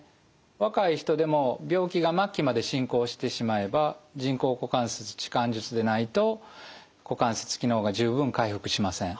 若い人でも病気が末期まで進行してしまえば人工股関節置換術でないと股関節機能が十分回復しません。